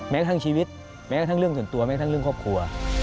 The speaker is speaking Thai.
แม้ทั้งชีวิตแม้กระทั่งเรื่องส่วนตัวแม้ทั้งเรื่องครอบครัว